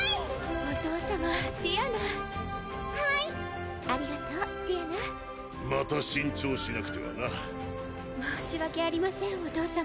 お父様ティアナはいありがとうティアナまた新調しなくてはな申し訳ありませんお父様